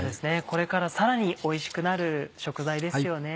これからさらにおいしくなる食材ですよね。